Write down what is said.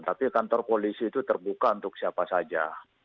tapi kantor polisi itu terbuka untuk siapa saja